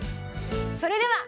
それでは。